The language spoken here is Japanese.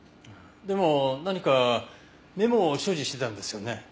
でも何かメモを所持してたんですよね？